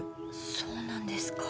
そうなんですか。